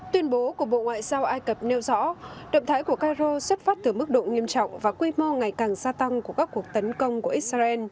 tuyên bố của bộ ngoại giao ai cập nêu rõ động thái của cairo xuất phát từ mức độ nghiêm trọng và quy mô ngày càng gia tăng của các cuộc tấn công của israel